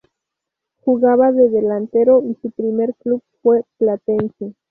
Jugaba de delantero y su primer club fue Platense.